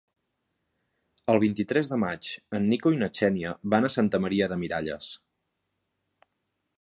El vint-i-tres de maig en Nico i na Xènia van a Santa Maria de Miralles.